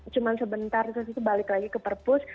cuma sebentar ke situ balik lagi ke perpus